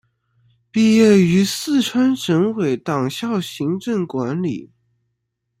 毕业于四川省委党校行政管理。